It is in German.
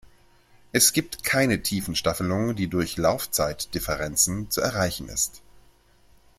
Es gibt keine Tiefenstaffelung, die durch Laufzeitdifferenzen zu erreichen ist.